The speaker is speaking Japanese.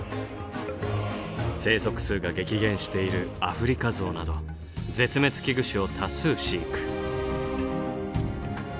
生息数が激減しているアフリカゾウなど絶滅危惧種を多数飼育。